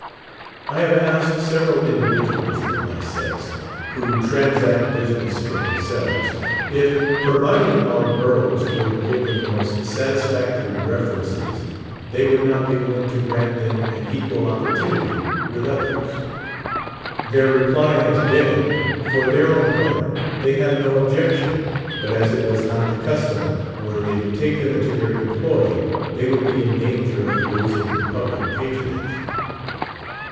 I have asked several individuals of my sex, who trans act business for themselves, if, providing our girls were to give them the most satisfactory references, they would not be willing to grant them an equal opportunity with others? Their replj^ has been : For their own part, they had no objection; but as it was not the custom, were the}' to take them into their employ, thev would be in danger of losing the public patronage.